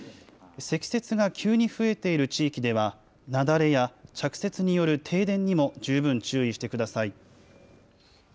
積雪が急に増えている地域では、雪崩や着雪による停電にも十分注意してください。